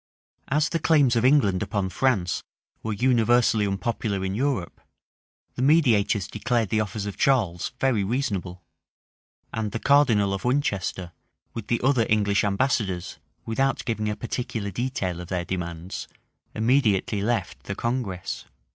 As the claims of England upon France were universally unpopular in Europe, the mediators declared the offers of Charles very reasonable, and the cardinal of Winchester, with the other English ambassadors, without giving a particular detail of their demands, immediately left the congress.